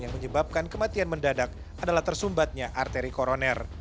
yang menyebabkan kematian mendadak adalah tersumbatnya arteri koroner